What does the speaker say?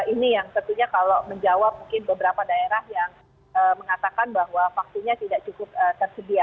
ini yang tentunya kalau menjawab mungkin beberapa daerah yang mengatakan bahwa vaksinnya tidak cukup tersedia